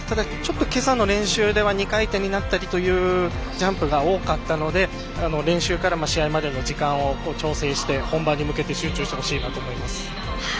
けさの練習では２回転になったりというジャンプが多かったので練習からも試合までの時間を調整して本番に向けて集中してほしいなと思います。